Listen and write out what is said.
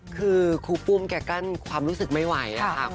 คือครูปุ้มแกกั้นความรู้สึกไม่ไหวค่ะ